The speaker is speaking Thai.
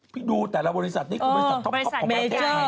พี่ดูแต่ละบริษัทนี่คือบริษัทท็อปของประเทศไทย